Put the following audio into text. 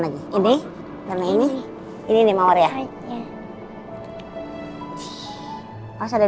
tapi itu karena kita r obsesikan alhamdulillah dengan efek omos haibrit